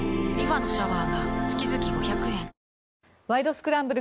スクランブル」